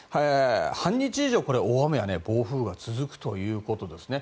半日以上、大雨や暴風が続くということです。